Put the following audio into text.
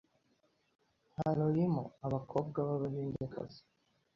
haroimo abakobwa b’abahindekazi .